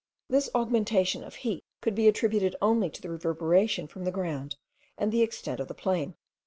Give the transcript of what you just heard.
This augmentation of heat could be attributed only to the reverberation from the ground, and the extent of the plain.